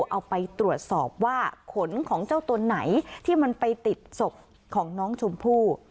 เอาไปตรวจสอบว่าขนของเจ้าตัวไหนที่มันไปติดศพของน้องชมพู่